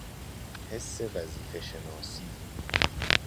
حس وظیفهشناسی